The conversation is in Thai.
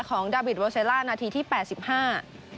ของดาวิทโวเซลล่านาทีที่แปดสิบห้า